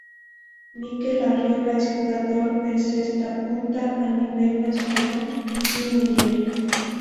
Mikel Arriola es jugador de cesta punta a nivel nacional y mundial.